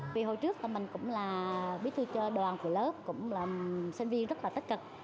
vì hồi trước mình cũng là biết thư cho đoàn của lớp cũng là sinh viên rất là tất cật